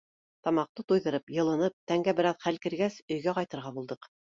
Тамаҡты туйҙырып, йылынып, тәнгә бер аҙ хәл кергәс, өйгә ҡайтырға булдыҡ.